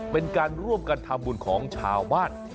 เป็นการร่วมกันทำบุญของชาวบ้าน